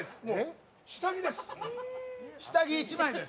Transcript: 下着です。